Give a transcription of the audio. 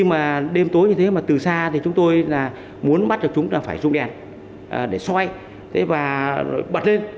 nhưng mà đêm tối như thế mà từ xa thì chúng tôi là muốn bắt được chúng là phải rung đèn để xoay và bật lên